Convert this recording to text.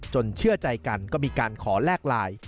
เชื่อใจกันก็มีการขอแลกไลน์